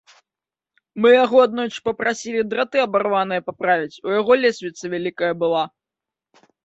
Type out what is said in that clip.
Мы яго аднойчы папрасілі драты абарваныя паправіць, у яго лесвіца вялікая была.